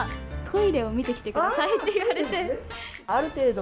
トイレを見てきてくださいと言われて。